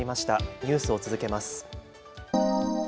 ニュースを続けます。